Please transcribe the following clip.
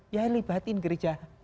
ya lebatin gereja